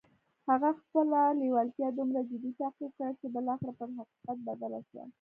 هغه خپله لېوالتیا دومره جدي تعقيب کړه چې بالاخره پر حقيقت بدله شوه.